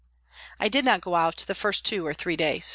I did not go out for the first two or three days.